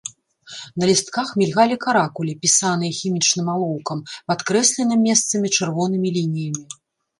На лістках мільгалі каракулі, пісаныя хімічным алоўкам, падкрэсленым месцамі чырвонымі лініямі.